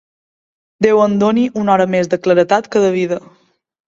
Déu em doni una hora més de claredat que de vida.